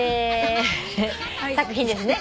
作品ですね。